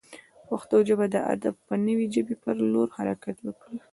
پښتو ژبه د ادب د نوې ژبې پر لور حرکت وکړي.